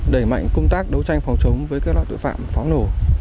đẩy mạnh công tác đấu tranh phòng chống với các loại tội phạm pháo nổ